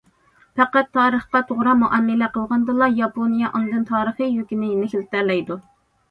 پەقەت تارىخقا توغرا مۇئامىلە قىلغاندىلا، ياپونىيە ئاندىن تارىخىي يۈكىنى يېنىكلىتەلەيدۇ.